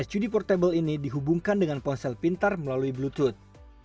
sud portable ini dihubungkan dengan ponsel pintar melalui bluetooth